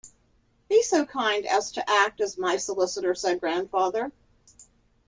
"Be so kind as to act as my solicitor," said Grandfather.